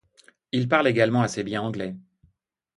Il parle également assez bien anglais.